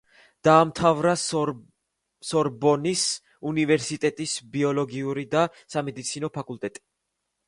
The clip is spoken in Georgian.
დაამთავრა სორბონის უნივერსიტეტის ბიოლოგიური და სამედიცინო ფაკულტეტი.